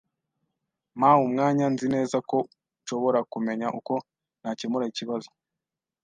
Mpa umwanya. Nzi neza ko nshobora kumenya uko nakemura ikibazo.